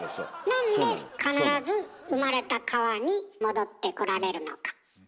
なんで必ず生まれた川に戻ってこられるのか。